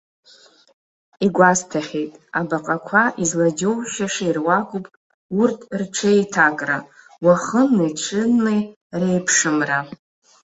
Игәасҭахьеит, абаҟақәа излаџьоушьаша ируакуп урҭ рҽеиҭакра, уахынлеи ҽынлеи реиԥшымра.